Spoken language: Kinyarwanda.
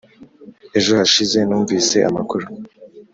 ejo hashize numvise amakuru.